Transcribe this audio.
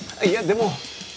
いやでも。